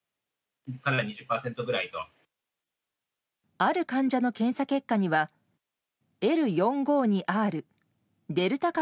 ある患者の検査結果にはＬ４５２Ｒデルタ株